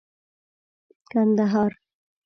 کندهار